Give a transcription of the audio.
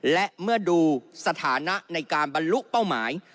และเมื่อดูสถานะในการบรรลุเป้าหมาย